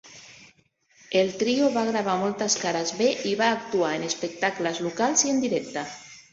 El trio va gravar moltes cares B i va actuar en espectacles locals i en directe.